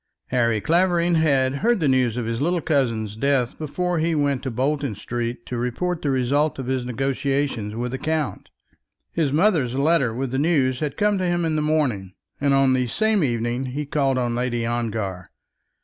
Harry Clavering had heard the news of his little cousin's death before he went to Bolton Street to report the result of his negotiation with the count. His mother's letter with the news had come to him in the morning, and on the same evening he called on Lady Ongar.